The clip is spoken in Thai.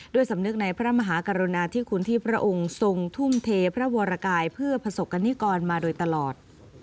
ด้วยสำนึกในพระมหากรณาที่คุณที่พระองค์ทรงทุ่มเทพระวรกายเพื่อผสกกันที่ก่อนมาโดยตลอด